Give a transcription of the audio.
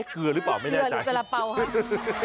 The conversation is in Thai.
เกลือหรือเปล่าไม่แน่จักร